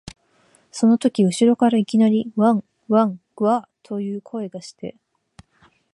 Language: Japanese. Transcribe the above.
そのとき後ろからいきなり、わん、わん、ぐゎあ、という声がして、